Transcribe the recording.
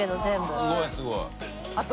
すごいすごい。朝日）